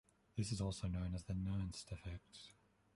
This is also known as the Nernst effect.